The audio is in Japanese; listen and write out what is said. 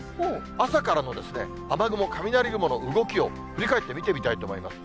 朝からの雨雲、雷雲の動きを振り返って見てみたいと思います。